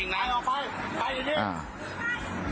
เอาไปไปอยู่นี่